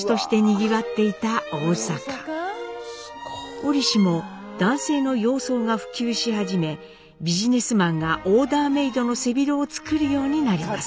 折しも男性の洋装が普及し始めビジネスマンがオーダーメードの背広を作るようになります。